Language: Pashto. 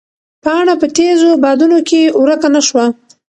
پاڼه په تېزو بادونو کې ورکه نه شوه.